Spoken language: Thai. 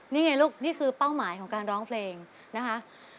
นี่ไงลูกนี่คือเป้าหมายของการร้องเพลงนะคะ